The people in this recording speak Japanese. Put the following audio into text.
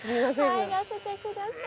入らせてください。